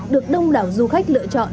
được đông đảo du khách lựa chọn